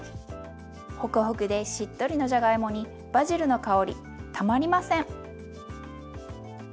ほくほくでしっとりのじゃがいもにバジルの香りたまりません！